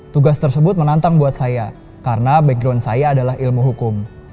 tugas tersebut menantang buat saya karena background saya adalah ilmu hukum